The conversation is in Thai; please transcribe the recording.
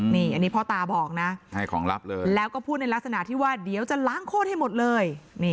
นี่พ่อตาบอกนะแล้วก็พูดในลักษณะที่ว่าเดี๋ยวจะล้างโคตรให้หมดเลย